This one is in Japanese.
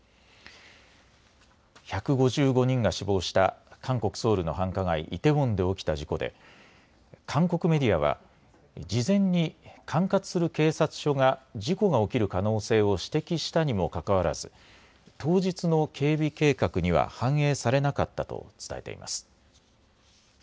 １５５人が死亡した韓国・ソウルの繁華街、イテウォンで起きた事故で韓国メディアは事前に管轄する警察署が事故が起きる可能性を指摘したにもかかわらず当日の警備計画には反映されなかったと伝えています。